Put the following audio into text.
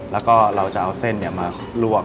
แล้วก็เราจะเอาเส้นมาลวก